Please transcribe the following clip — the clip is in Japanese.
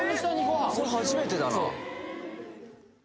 それ初めてだな